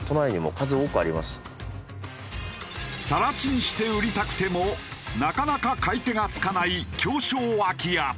更地にして売りたくてもなかなか買い手がつかない狭小空き家。